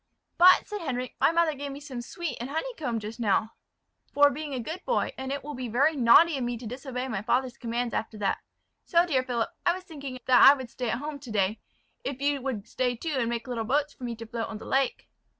"But," said Henric, "my mother gave me some sweet and honeycomb just now, for being a good boy; and it will be very naughty of me to disobey my father's commands after that. So, dear Philip, I was thinking that I would stay at home to day, if you would stay too, and make little boats for me to float on the lake."